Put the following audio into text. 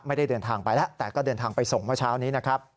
ไม่ได้เดินทางไปแล้วแต่ก็เดินทางไปส่งเมื่อเช้านี้นะครับ